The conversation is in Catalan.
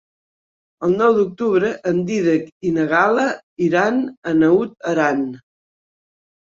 El nou d'octubre en Dídac i na Gal·la iran a Naut Aran.